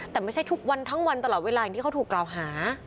แต่ไม่ใช่ทุกวันทั้งวันเตรียมเวลาที่เขาถูกกล่าวหา